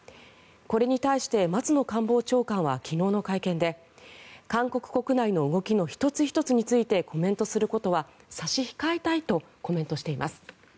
これに対して、松野官房長官は昨日の会見で韓国国内の動き１つ１つについてコメントすることは差し控えたいとコメントしています。